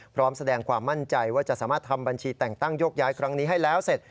พร้อมแสดงความมั่นใจว่าจะสามารถทำบัญชีแต่งตั้งโยกย้ายครั้งนี้ให้แล้วเสร็จ